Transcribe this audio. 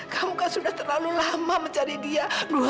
kamu kan sudah terlalu lama mencari dia